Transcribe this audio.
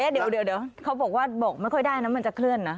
เดี๋ยวเดี๋ยวเดี๋ยวเขาบอกว่าบอกไม่ค่อยได้นะมันจะเคลื่อนนะ